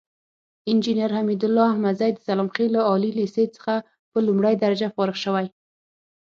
انجينر حميدالله احمدزى د سلام خيلو عالي ليسې څخه په لومړۍ درجه فارغ شوى.